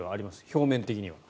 表面的には。